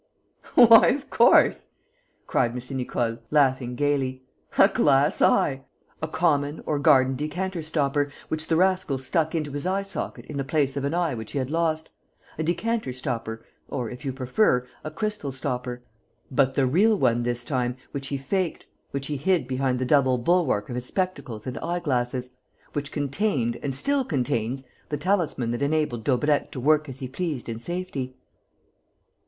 "Why, of course!" cried M. Nicole, laughing gaily. "A glass eye! A common or garden decanter stopper, which the rascal stuck into his eyesocket in the place of an eye which he had lost a decanter stopper, or, if you prefer, a crystal stopper, but the real one, this time, which he faked, which he hid behind the double bulwark of his spectacles and eye glasses, which contained and still contains the talisman that enabled Daubrecq to work as he pleased in safety."